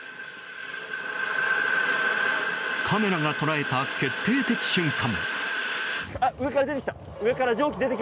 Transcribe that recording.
カメラが捉えた決定的瞬間。